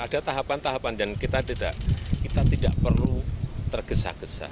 ada tahapan tahapan dan kita tidak perlu tergesa gesa